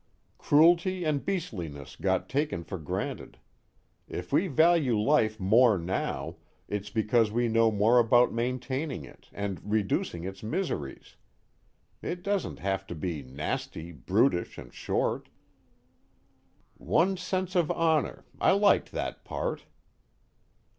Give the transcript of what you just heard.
"Cruelty and beastliness got taken for granted. If we value life more now, it's because we know more about maintaining it and reducing its miseries. It doesn't have to be 'nasty, brutish and short.'" "'One's sense of honor' I liked that part."